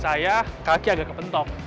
saya kaki agak kepentok